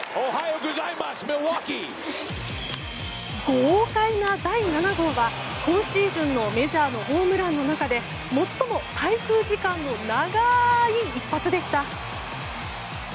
豪快な第７号は今シーズンのメジャーのホームランの中で最も滞空時間の長い一発でした。